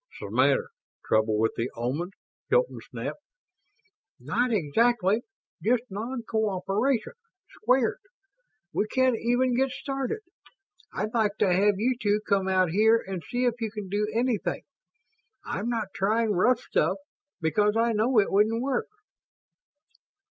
"'Smatter? Trouble with the Omans?" Hilton snapped. "Not exactly. Just non cooperation squared. We can't even get started. I'd like to have you two come out here and see if you can do anything. I'm not trying rough stuff, because I know it wouldn't work."